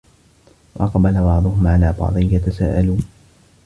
وَأَقبَلَ بَعضُهُم عَلى بَعضٍ يَتَساءَلونَ